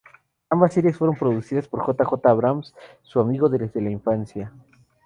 Ambas series fueron producidas por J. J. Abrams, su amigo desde la infancia.